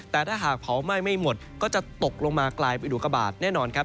แต่ถ้าหากเผาไหม้ไม่หมดก็จะตกลงมากลายเป็นอุกบาทแน่นอนครับ